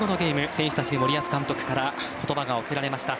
選手たちに森保監督から言葉が送られました。